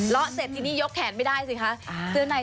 อืมเฮ้ยซักมือไหม